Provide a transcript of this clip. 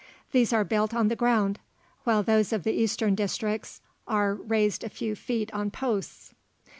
These are built on the ground, while those of the eastern districts art, raised a few feet on posts.